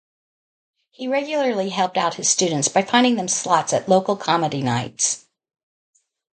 He regularly helped out his students by finding them slots at local comedy nights.